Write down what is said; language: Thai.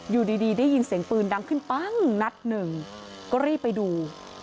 อยู่ดีได้ยินเสียงปืนดังขึ้นปั้งนัดหนึ่งก็รีบไปดู